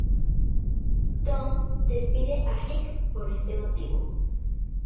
Tom despide a Rick por este motivo.